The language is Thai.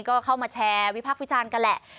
ก็เข้ามาแชร์วิพักษ์วิจารณ์กันแหละ